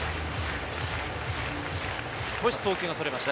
少し送球がそれました。